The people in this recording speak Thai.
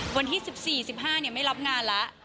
วันที่๑๔๑๕ไม่รับงานแล้ว